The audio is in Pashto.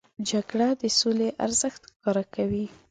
جګړه د سولې ارزښت ښکاره کوي